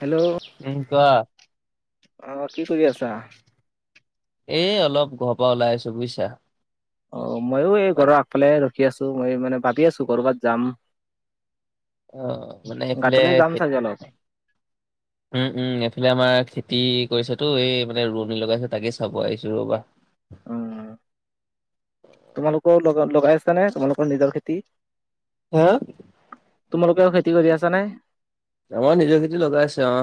Hello, উম কোৱা। আহ কি কৰি আছা? এই অলপ ঘৰ পৰা ওলাই আছো বুজিছা। অ মইয়ো এই মানে ঘৰৰ আগফালে ৰখি আছো, মই মানে ভাবি আছো কৰ'বাত যাম। অ' মানে এইফালে ঘাটলে যাম খেতি চাগে অলপ। উম উম এইফালে আমাৰ খেতি কৰিছেতো এই মানে ৰোৱনী লগাইছে তাকে চাব আহিছো ৰ'বা। উম। তোমালোকৰ লগ লগাই আছ নে, তোমালোকৰ নিজৰ খেতি? হা? তোমালোকেও খেতি কৰি আছা নে? আমাৰ নিজৰ খেতি লগাই আছে অ।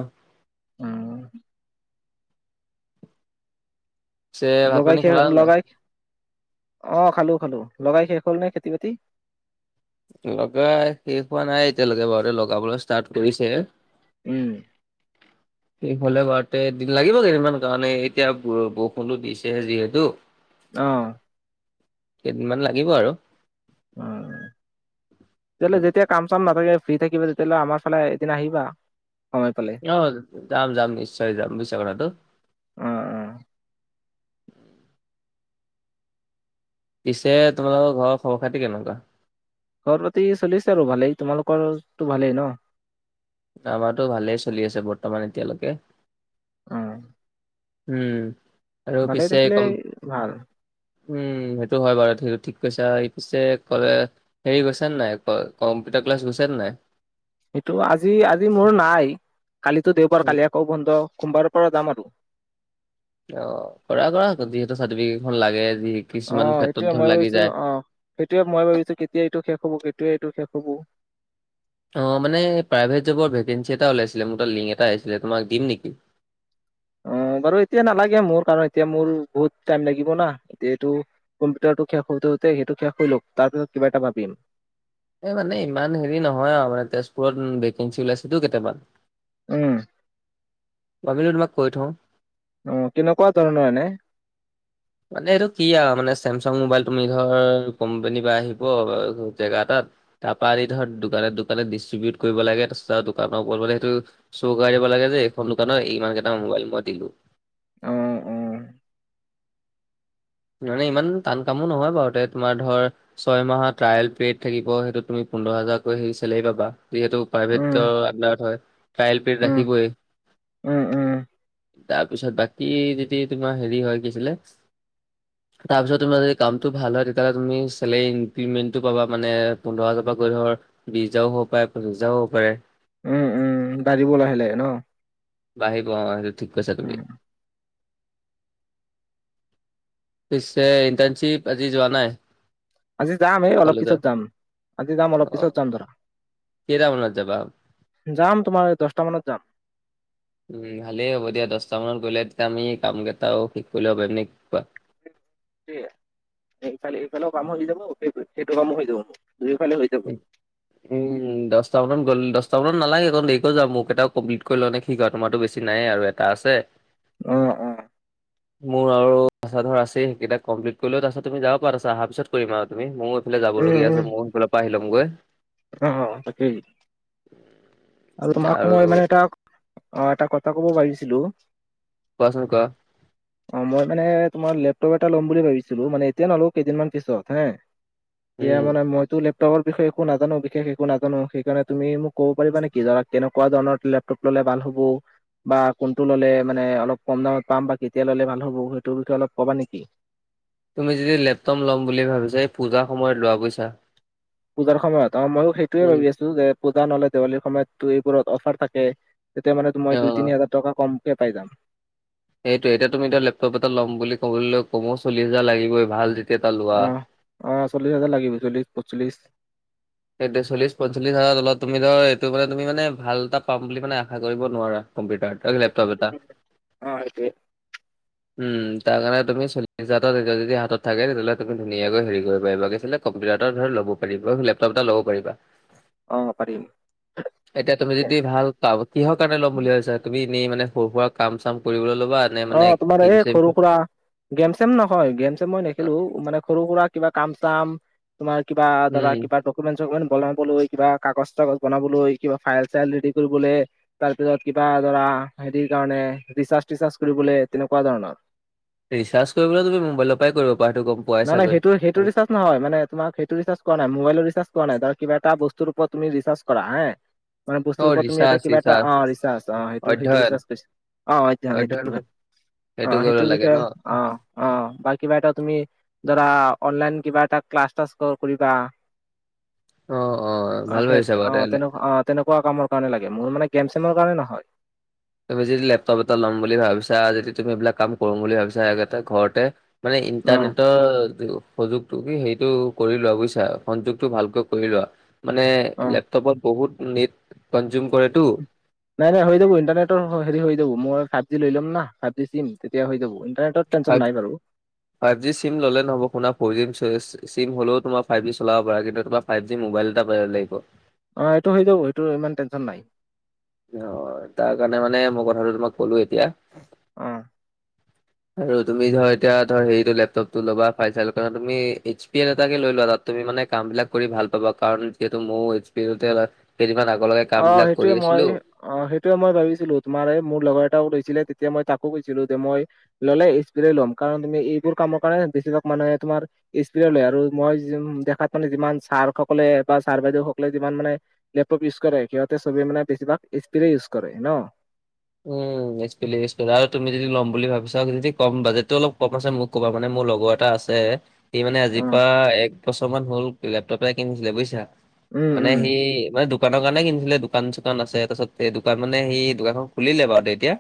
উম পিছে ভাত লগাই পানী শেষ খালা নে নাই? লগাই, অ খালো খালো। লগাই শেষ হ'ল নে খেতি বাতি? লগাই শেষ হোৱা নাই এতিয়ালৈকে বাৰু, লগাবলৈ ষ্টাৰ্ট কৰিছেহে। উম। সেই হলে বাৰু তে দিন লাগিব কেইদিনমান কাৰণে এতিয়া বৰষুণো দিছে যিহেতু। অ। কেইদিনমান লাগিব আৰু। উম, কেলে উম, যেতিয়া- কাম চাম নাথাকে ফ্ৰী থাকিব তেতিয়াহ'লে আমাৰ ফালে এদিন আহিবা সময় পালে অ যাম যাম নিশ্চয় যাম বিশ্বাস কৰাটো অ অ পিছে তোমালোকৰ ঘৰৰ খবৰ খাতি কেনেকুৱা? খবৰ খাতি চলিছে আৰু ভালেই তোমালোকৰটো ভালেই ন? আমাৰটো ভালেই চলি আছে বৰ্তমান এতিয়ালৈকে। উম। উম, আৰু পিছে থাকিলে কম- ভাল উম, সেইটো হয় বাৰু সেইটো ঠিক কৈছা। এই পিছে কলে হেৰি গৈছে নাই কম্পিউটাৰ ক্লাছ গৈছা নাই? সেইটো আজি আজি মোৰ নাই, কালিতো দেওবাৰ, উম কালি আকৌ বন্ধ। সোমবাৰৰ পৰা যাম আৰু। অ কৰা কৰাক যিহেতু চাৰ্টিফিকেট খন লাগে যদি অ সেইটোয়ে মই ভাবিছোঁ অ সেইটোয়ে মই ভাবিছোঁ কেতিয়া এইটো শেষ হব কেতিয়া এইটো শেষ হব অ মানে প্ৰাইভেট জবৰ ভেকেঞ্চি এটা ওলাইছিলে মোৰ তাত লিংক এটা আহিছিলে তোমাক দিম নেকি? অ বাৰু এতিয়া নালাগে মোৰ কাৰণ এতিয়া মোৰ বহুত টাইম লাগিব ন এতিয়াটো, কম্পিউটাৰটো শেষ হওতে হওতে সেইটো শেষ হৈলওক তাৰপিছত কিবা এটা ভাবিম এই মানে ইমান হেৰি নহয় আৰু মানে তেজপুৰত ভেকেঞ্চি ওলাইছেতো কেইটামান উম ভাবিলোঁ তোমাক কৈ থওঁ অ কেনেকুৱা ধৰণৰ এনে মানে এইটো কি আৰু মানে চেমচাং মোবাইল তুমি ধৰ কোম্পানীৰ বা আহিব জেগা এটাত তাৰ পৰা আনি ধৰ দোকানে দোকানে ডিষ্ট্ৰিবউট কৰিব লাগে তাৰপাছত দোকানৰ ওপৰত মানে সেইটো চৌকৰাই দিব লাগে যে এইখন দোকানৰ ইমান কেইটা মোবাইল মই দিলোঁ। অঁ অঁ মানে ইমান টান কামো নহয় বাৰু তে তোমাৰ ধৰ ছয় মাহৰ ট্ৰায়েল পিৰিয়ড থাকিব সেইটো তুমি পোন্ধৰ হাজাৰকৈ সেই চেলাৰী পাবা যিহেতু উম প্ৰাইভেটৰ আন্ডাৰত হয় ট্ৰাইেল পিৰিড উম ৰাখিবই উম তাৰপিছত বাকী যদি তোমাৰ হেৰি হয় কি আছিলে তাৰপিছত তোমাৰ যদি কামটো ভাল হয় তেতিয়াহ'লে তুমি চেলেৰী ইনক্ৰিমেণ্টটো পাবা মানে পোন্ধৰ হাজাৰ পৰা গৈ ধৰ বিছ হাজাৰো হব পাৰে পঁচিশ হাজাৰো হব পাৰে উম উম বাঢ়িব লাহে লাহে ন বাঢ়িব অ সেইটো ঠিক কৈছা তুমি উম পিছে ইণ্টৰ্নশিপ আজি যোৱা নাই আজি যাম এই অলপ পিছত কলেজত যাম আজি যাম অলপ পিছত যাম ধৰা কেইটা মানত যাবা যাম তোমাৰ দহটা মানত যাম উ ভালেই হ'ব দিয়া দহটা মানত গ'লে তেতিয়া আমি কাম কেইটাও শিক কৰিব পাৰিম নে কোৱা সে এইফালে এইফালেও কাম হৈ যাব সেই সেইটো কামো হৈ যাব দুইফালে হৈ যাব। উম উম উম দটা মান গ'লে দহটা মানত নালাগে ক দেৰিকৈ যোৱা মোক কেইবাটাও কম্লিট কৰি লও নে কি কোৱা তোমাৰো বেছি নাই আৰু এ এটা আছে অ', অ', মোৰ আৰু আছা ধৰা আছেই সেই কেইটা কপ্লি কৰিলও তাৰপিছত তুমি যাব পাৰা অহাৰ পিছত কৰিম আৰু তুমি ময়ো ইফালে উম, যাবলগীয়া উম, আছে ময়ো সেইফালৰ পৰা আহি লমগৈ অ তাকেই আৰু তোমাক ময় মানে এটা অ এটা কথা ক'ব আহিছিলো কোৱা চোন কোৱা [unintelligible] অ মই মানে তোমাৰ লেপটপ এটা ল'ম বুলি ভাবিছিলো মানে এতিয়া নলোও কেইদিনমান পিছত হে এতিয়া উম মানে মইটো লেপটপৰ বিষয়ে একো নাজা নাজানো বিশেষ একো নাজানো সেইকাৰণে তুমি মোক কব পাৰিবা নেকি ধৰা কেনেকুৱা ধৰণৰ লেপটপ ললে ভাল হ'ব, বা কোনটো ললে মানে অলপ কম দামত পাম বা কেতিয়া ললে ভাল হ'ব সেইটোৰ বিষয়ে অলপ ক'বা নেকি? তুমি যদি লেপটপ ল'ম বুলি ভাবিছা পূজাৰ সময়ত লোৱা বুইচা, পূজাৰ সময়ত অ মইয়ো সেইটোয়ে উম। ভাবি আছো যে পূজা নহলে দেৱালীৰ সময়তো এইবোৰত অফাৰ থাকে তেতিয়া মানে টো মই দুই অ' তিনি হাজাৰ টকা কমকে পাই যাম। এইটোৱে এতিয়া তুমি এতিয়া লেপটপ এটা ল'ম বুলি ক'বলৈলে কমো চল্লিশ হাজাৰ লাগিবই ভাল যেতিয়া এটা লোৱা, অ অ চল্লিছাজাৰ লাগিব চল্লিছ পঞ্চলিশ সেইটোৱে চল্লিশ পঞ্চলিছ হাজাৰ তলত তুমি ধৰ এইটো মানে তুমিমানে ভাল এটা পাম বুলি মানে আশা কৰিব নোৱাৰা কম্পিউটাৰত তা কি লেপটপ এটা অ সেইটোৱে [unintelligible] উম তাৰকাৰণে তুমি চল্লিছ হাজাৰ তেতিয়া যদি হাতত থাকে তেতিয়াহ'লে তুমি ধুনীয়াকৈ হেৰি কৰিব পাৰিবা কি আছিলে কম্পিউটাৰ এটা ধৰ ল'ব পাৰিবা লেপটপ এটা ল'ব পাৰিবা অ পাৰিম এতিয়া তুমি যদি ভাল কাম কিহৰ কাৰণে ল'ম বুলি ভাবিছা তুমি এনেই মানে সৰু সুৰা কাম চাম কৰিবলৈ ল'বা নে অ মানে তোমাৰ গেম এই চেম সৰু সূৰা গেম চেম নহয় গেম চেম মই নেখিলো মানে সৰু সুৰা কিবা কাম চাম তোমাৰ কিবা ধৰা উম, কিবা দক ডকুমেণ্টছ চকুমেণ্ট বনাবলৈ বা কাগজ বনাবলৈ কিবা ফাইল চাইল ৰেডি কৰিবলে তাৰপিছত কিবা ধৰা হেৰিৰ কাৰণে ৰিচাৰ্চ টিচাৰ্চ কৰিবলৈ তেনেকুৱা ধৰণৰ, ৰিচাৰ্জ কৰিবলৈ তুমি মোবাইলৰ পৰাই কৰিব সেইটো গম পোৱাই নাই নাই চাগৈ। সেইটো সেইটো চ নহয় মানে তোমাক সেইটো ৰিচাৰ্জ কৰা নাই মবাইলৰ ৰিচাৰ্জ কৰা নাই ধৰা কিবা এটা বস্তুৰ ওপৰত তুমি ৰিচাৰ্চ কৰা হা মানে বস্তুৰ অ', ওপৰত তুমি এটা ৰিচাৰ্চ কিবা এটা ৰিচাৰ্চ অ ৰিচাৰ্চ অ সেইটো সেইটো অধ্যয়ন ৰিচাৰ্চ কৰিছ অ অধ্যয়ন সেইটো অ সেইটো কৰিব সেইটোৰ লাগে ন? বিষয়ে অ অ বা কিবা এটা তুমি, ধৰা অনলাইন কিবা এটা ক্লাছ তাচ কৰিবা, অ', অ ভাল খেত ভাবিছা অ বাৰু তেনেক আহ তেনেকুৱা কামৰ কাৰণে লাগে মোৰ মানে গেম চেমৰ কাৰণে নহয়, তুমি যদি লেপটপ এটা ল'ম বুলি ভাবিছা যদি তুমি এইবিলাক কাম কৰোম বুলি ভাবিছা তাতে ঘৰতে মানে অ ইণ্টাৰনেটৰ যুগ যোগটো কি হেৰিটো কৰি লোৱা বুজিছা, সংযোগটো ভালকে কৰি লোৱা মানে‌ অ লে পত, বহুত নেট কনজিউম কৰেটো। [inaudible] নাই নাই হৈ যাব ইণ্টাৰনেটৰ হেৰি হৈ যাব, মই ফাইভ জি লৈ ল'ম ন, ফাইভ জি চিম, তেতিয়া হৈ যাব ইণ্টাৰনেট ফাইভ টেনচন নাই বাৰু। ফাইভ জি চিম ল'লে নহ'ব, শুনা ফৰ জছে চিম হলেও তোমাৰ ফাইভ জি চলাব পাৰা, কিন্তু তোমাৰ ফাইভ জি মোবাইল এটা লাগিব। অ' এইটো হৈ যাব, এইটো ইমান টেনশ্যন নাই। অ তাৰ কাৰণে মানে মই কথাটো তোমাক ক'লো এতিয়া। অ। আৰু তুমি ধৰা এতিয়া ধ হেৰিটো লেপটপটো লবা ফাইভ [unintelligible] চাইে তুমি এইচ পি এল এটাকে লৈ লোৱা, তাত তুমি মানে কাম বিলাক কৰি ভাল পাবা কাৰণ, যিহেতু মৌ এইচ পি কেইদিনমান আগৰ লগে অ কাম বিলাক সেইটোয়ে কৰি মই আছিলো অ সেইটোৱে মই ভাবিছিলো তোমাৰ এই মোৰ লগৰ এটাও লৈছিলে তেতিয়া মই তাকো কৈছিলো, যে মই ল'লে স্পিৰে ল'ম, ‌কাৰণ তুমি এইবোৰ কামৰ কাৰণে বেছিভাগ মানুহে তোমাৰ এইচ পিয়ে লয়, আৰু মই দেখাত মানে যিমান ছাৰ সকলে, বা ছাৰ বাইদেউসকলে যিমান মানে লেপটপ ইউজ কৰে, সিহঁতে সবে মানে বেছিভাগ, এইচ পি ৰে ইউজ কৰে ন। উম। [unintelligible] তুমি যদি লম বুলি ভাবি চাও যদি ক বাজেতটো অলপ কম আছে মোক ক'বা, মানে মোৰ লগৰ এটা আছে [unintelligible] সি মানে অ আজিৰ পৰা এক বছৰ মান হল, লেপটপ এটা কিনিছিলে বুইছা, উম মানে উম সি মানে দোকানৰ কাৰণে কিনিছিলে, দোকান-চোকান আছে, তাৰপছতে দোকান মানে সি দোকানখন খুলিলে বাৰু দে এতিয়া।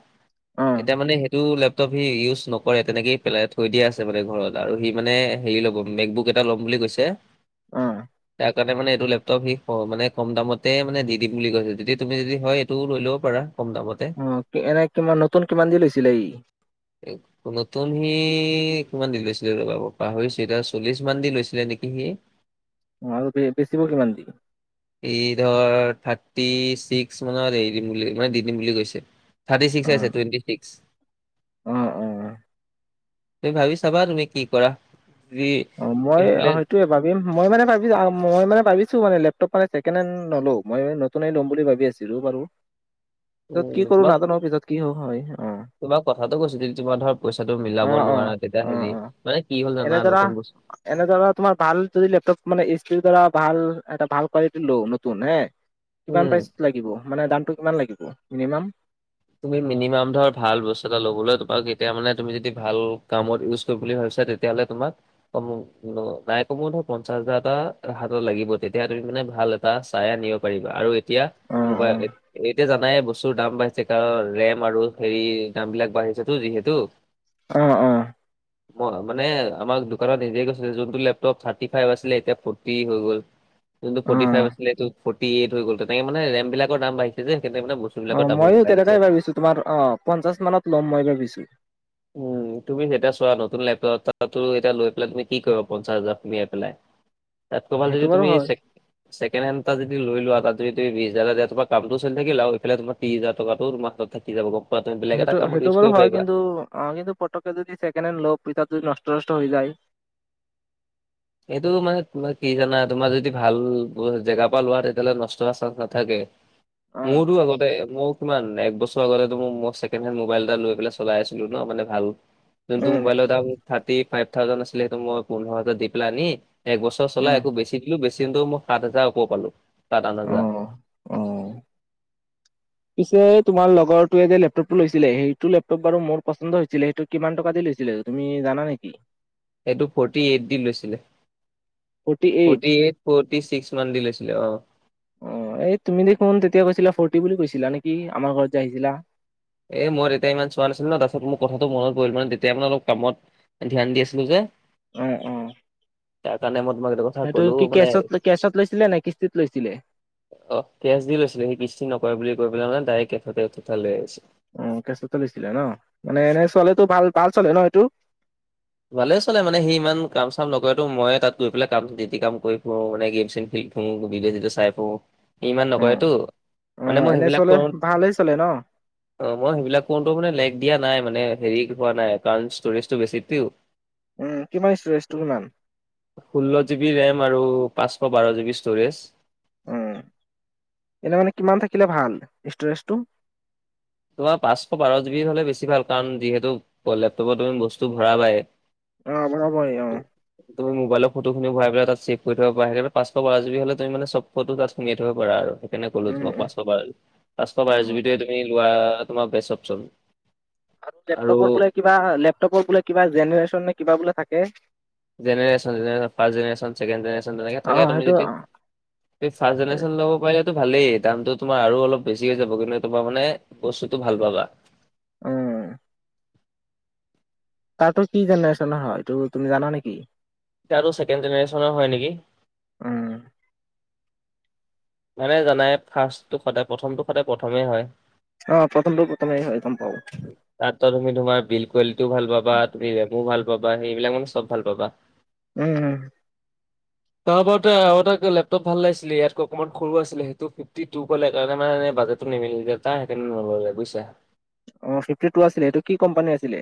অ এতিয়া মানে সেইটো লেপটপ সি ইউজ নকৰে, তেনেকেইে পেলাই, থৈ দিয়া আছে মানে ঘৰত। আৰু সি মানে, হেৰি ল'ব, মেঘবুক এটা ল'ম বুলি কৈছে অ সেইকাৰণে মানে এইটো লেপটপ সি মানে কম দামতে মানে দিম বুলি কৈছে, যদি তুমি যদি হয় এইটোও লৈ ল'ব পাৰা, কম দামত। অ, এনে কিমান, নতুন কিমান দি লৈছিলে ই? এক [unintelligible] নতুন সি কিমান দি লৈছিলে ৰবা পাহৰিছোঁ, এতিয়া চল্লিশ মান দি লৈছিলে নেকি সি। অ আৰু বে বেচিব কিমান দি? ই ধৰ থাৰ্টি ছিক্স মানত এৰি দিম বুলি, মানে দি দিম বুলি কৈছে। থাৰ্টি ছিক্স অ আছে টুৱেণ্টি ছিক্স। অ অ তুমি ভাবি চাবা তুমি কি কৰা। যদি অ মই সেইফালে হয় এই টোৱে ভাবিম, মই মানে ভাবিছো, মই মানে ভাবিছো মানে লেপটপ মানে ছেকেণ্ড হেণ্ড নলো, মই নতোন ল'ম বুলি ভাবি আছিলো বাৰু, পিছত কি উম কৰো তোমাক নাজানো পিছত কি হ হয়, অ। তোমাক কথাাতটো কৈছো, [unintelligible] য তোমাৰ ধৰ পইচাটো অ মিলাব অ নোৱাৰা তেতিয়া অ হেৰি, অ মানে কি হ'ল এনে জানা ধৰা নতুন বস্তু এনে ধৰা তোমাৰ ভাল যদি লেপটপ মানে এচ-পিচ ধৰা ভাল এটা ভাল কোৱালিটিৰ লো নতুন, হে কিমান উম প্ৰাইচ লাগিব, মানে দামটো কিমান লাগিব, মিনিমাম? তুমি মিনিমাম ধৰা ভাল বস্তু এটা ল'বলৈ তোমাক এতিয়া মানে তুমি যদি ভাল, কামত ইউজ কৰিম বুলি ভাবিছা তেতিয়া তেতিয়াহলে তোমাক ক নাই কমো ধৰা পঞ্চাশ হাজাৰটা হাতত লাগিব, তেতিয়া তুমি মানে ভাল এটা চাই আনিব পাৰিবা, আৰু এতিয়া, অ অ মোবাইল, এতিয়া জানাই বস্তুৰ দাম বাঢ়ি [unintelligible] কাৰন ৰেম আৰু হেৰি দাম বিলাক বাঢ়িছেতো যিহেতু। অ অ [unintelligible] মই মানে আমাৰ দোকানত নিজেই কৈছিল, যোনটো লেপটপ থাৰ্টি ফাইভ আছিলে, এতিয়া ফটি হৈ গ'ল। যোনটো অ ফট ফাইভ আছিলে এইটো ফৰ্টি এইট হৈ গ'ল, তেনেকে মানে ৰেম বিলাকৰ দাম বাহিছে যে, হেইকাৰনে মানে বস্তু অ বিাকৰ দামো মইয়ো বঢ়াই দিছে। তেনেকাই ভাবিছো তোমাৰ, অ' পঞ্চাশ মানত ল'ম মই ভাবিছো। উম তুমি যেতিয়া চোৱা নতুন লেপটপ তো এ লৈ পেলাই তুমি কি কৰিবা, পঞ্চাশ হাজাৰ সোমিয়াই পেলাই। [inaudible] তাতকৈ ভাল সেইটো যদি বাৰু তুমি [unintelligible] হয় ছেকেণ্ড হেন্দ এটা যদি লৈ লোৱা তাত যদি তুমি বিশ হাজাৰ টকা এটা দিয়া তাত তোমাৰ কামটো চলি থাকিল আৰু ইফালে তোমাৰ ত্ৰিশ হাজাৰ টকাটো তোমাৰ হাতত থাকিল। থাকি যাব [unintelligible] সেইটো সেইটো ইউজ বাৰু কৰিব হয় পাৰিবা। কিন্তু অ কিন্তু পটকে যদি ছেকেণ্ড হেণ্ডলওঁ পিছত যদি নষ্ট নষ্ট হৈ যায়। এইটো মানে তোমাৰ কি জানা তোমাৰ যদি ভাল জেগাৰ পৰা লোৱা তেতিয়াহ'লে নষ্ট হোৱাৰ চান্স নাথাকে। অ মোৰতো আগতে মোক, কিমান এক বছৰ আগতে মই ছেকেণ্ড হেণ্ড মোবাইল এটা লৈ পেলাই চলাই আছিলো ন মানে ভাল। যোনটো উম মোবাইলত দাম থাৰটী ফাইভ থাউজেণ্ড আছিলে সেইটো মই পোন্ধৰ হাজাৰ দি পেলাই আনি। এক বছৰ উম চলাই আকৌ বেছি দিলো বেছি মই সাত হাজাৰ ওপৰ পালো সাত আঠ অ হাজাৰ। অ, পিছে তোমাৰ লগৰ টোৱে যে লেপটপ টো লৈছিলে সেইটো লেপটপ বাৰু মোৰ পচন্দ হৈছিলে সেইটো, কিমান টকা দি লৈছিলে তুমি জানা নেকি। এইটো ফৰ্টি এইট দি লৈছিলে ফৰ্টি এইট, ফৰ্টি ছিক্স মান দি লৈছিলে অ, অ এই তুমি দেখোন তেতিয়া কৈছিলা ফৰটি বুলি কৈছিলা নেকি আমাৰ ঘৰত যে আহিছিলা। এ মই তেতিয়া ইমান চোৱা নাছিলোঁ ন তাৰ পিছত মোৰ কথাটো মনত পৰিল মানে তেতিয়া মানে অলপ কামত। ধ্যান দি আছিলো যে। অঁ অঁ তাৰকাৰণে মই তোমাক এটা কথা, সেইটো ক'লো কি মানে কেছত কেচত লৈছিলে নে কিস্তিত লৈছিলে। অ কেচ দি লৈছিলো সি কিস্তি নকৰে বুলি কৈ পেলাই মানে ডাইৰেক্ট কেছতে উঠাই লৈ আহিছিলে। অ কেচ লৈছিলা ন মানে এনেই চলেটো ভাল ভাল চলে ন এইটো। ভালে চলে মানে সি ইমান কাম চাম নকৰেটো মইয়ে তাত গৈ পেলাই কাম জিতি কাম কৰি পেলাই মানে গেম ছেম, উম ভিদেও চিদেও চাই ফুৰোঁ সি ইমান অ নকৰেতো অ মানে মই এনে সেইবিলাক চলে কৰো। ভালেই চলে ন অ মই সেইবিলাক কতো মানে লেক দিয়া নাই মানে হেৰি হোৱা নাই কাৰণ ষ্টৰেজ টো বেছিতো, উম কিমান ষ্টৰেছটো কিমান। ষোল্ল জিবি ৰেম আৰু পাঁচশ বাৰ জিবি ষ্ট'ৰেজ, উম এনে মানে কিমান থাকিলে ভাল ষ্টৰেজটো। তোমাৰ পাঁচশ বাৰ জিবি হ'লে বেছি ভাল কাৰণ যিহেতু লেপটপত তুমি বস্তু ভৰাবাই। অ [unintelligible] তুমি মোবাইৰ ফটোখিনি ভৰাই পেলাই তাত ছেভ কৰি থব পাৰা সেই পাঁশ পৰালজী হলে তুমি মানে নে চব ফটো তাত সোমিয়াই থব পাৰা আৰু কেনে ক'লো তোমাক উম, পাঁচশ বাৰ পাঁচশ উম, বাৰ জি উম। বি তুমি লোৱা তোমাৰ বেষ্ট অপশচন, আৰু লেপটপৰ বোলে কিবা লেপটপৰ বোলে কিবা জেনেৰেশ্যন নে কিবা বোলে থাকে। Generation generation first generation second generation তেনেকে অ', থাকে তুমি সেইটো যদি। অ', এই ফাৰ্ষ জেনেশ্যন ল'ব পাৰিলেতো ভালেই দামটো তোমাৰ আৰু অলপ বেছি হৈ যাব কিন্তু তোমাৰ মানে, বস্তুতটো ভাল পাবা। উম, তাতো কি জেনেৰেশ্যনৰ হয় এইটো তুমি জানা নেকি। তাতো ছেকেণ্ড জেনেৰেশ্যনৰ হয় নেকি। উম, মানে জানাই ফাৰ্ষ্টটো সদায় প্ৰথমটো সদায় প্ৰথমেই হয়। অ প্ৰথমটো প্ৰথমে হয় গম পাওঁ, তাত তুমি তোমাৰ বিল কোৱালিটিও ভাল পাবা তুমি ৰেমু ভাল পাবা সেইবিলাক মানে চব ভাল পাবা। উম উম, তাৰপতে আৰু এটা লেপটপ ভাল লাগিছিলে ইয়াত ক, সৰু আছিলে সেইটো ফিফটি টু কলে মানে বাজেটো নিমিলিলে সেইটো কাৰণে নললে। অ ফিফটি টু আছিলে এইটো কি কোম্পানী আছিলে।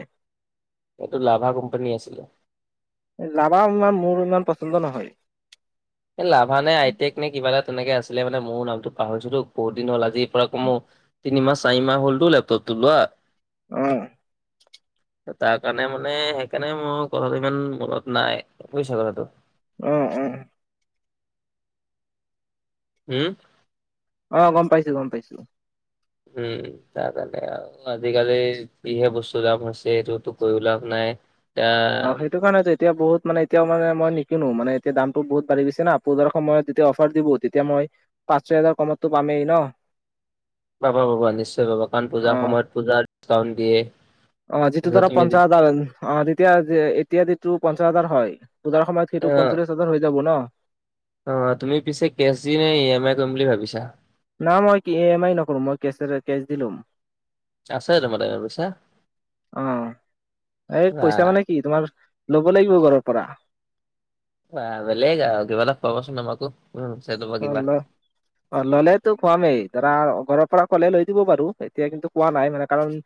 এইটো লাভা কোম্পানী আছিলে। লাভা ইমান মোৰ ইমান পচন্দ নহয়। এ লাভা নে আইটেক নে কিবা এটা তেনেকে আছিলে মানে মোৰ নামটো পাহৰিছোতো বহুত দিন হ'ল আজি, তিনিমাহ চাৰিমাহ হ'লটো লেপটপটো লোৱা। অহ', তাৰ কাৰণে মানে সেইকাৰণে মোৰ ঘৰত ইমান মনত নাই বুইছা কথাটো? অহ, উম। [unintelligible] অ, গম পাইছোঁ - গম পাইছোঁ। উম, তাৰকাৰনে আও আজিকালি যিহে বস্তু দাম হৈছে এইটোতো কৈও লাভ নাই। এতিয়া অ, সেইটো কাৰণতেটো এতিয়া বহুত মানে এতিয়াও মানে নিকিনো মানে এতিয়া দামটো বহুত বাঢ়ি গৈছে না পূজাৰ সময়ত যেতিয়া অফাৰ দিব তেতিয়া মই পাঁচ, ছয় হাজাৰ কমততো পামেই ন? পাবা -পাবা নিশ্চয় পাবা কাৰণ অ পূজাৰ সময়ত পূজাৰ চাউণ্ড দিয়ে অ, যিটো তাৰপিছত ধৰা তুমি যে পঞ্চাচ হাজাৰ অ, তেতিয়া এতিয়া যিটো পঞ্চাচ হাজাৰ হয় পূজাৰ সময়ত সেটো অ', পঞ্চল্লিশ হাজাৰ হৈ যাব ন? অ, তুমি পিছে কেছ দি নে ই এম আই কৰিম বুলি ভাবিছা? না মই ই এম আই নকৰো মই কেচেৰে কেচ দি ল'ম। আছে তোমাৰ তাকে পইচা অ এই পইচা মানে বাহ। কি তোমাৰ ল'ব লাগিব ঘৰৰ পৰা। বাহ বেলেগ আৰু কিবা এটা খোৱাবা চোন আমাকো। উম, চেদো আল্লাহ। অ, ল'লেতো খুৱামেই ধৰা ঘৰৰ পৰা ক'লে লৈ দিব বাৰু এতিয়া কিন্তু কোৱা নাই মানে কাৰণ